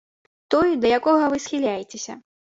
Той, да якога вы схіляецеся.